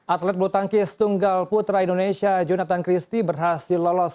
atlet butangkis tunggal putra indonesia jonathan christie berhasil lolos